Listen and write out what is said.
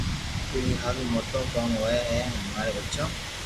پيڙي ھارون موٽو ڪوم ھوئي ھين امري ٻچو